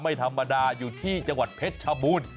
ไม่ธรรมดาอยู่ที่จังหวัดเพชรชบูรณ์